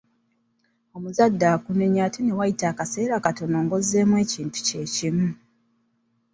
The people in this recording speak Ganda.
Omuzadde akunenya ate ne wayita akaseera katono nga ozzeemu ekinti kye kimu.